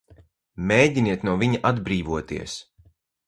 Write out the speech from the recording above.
Mēģiniet no viņa atbrīvoties!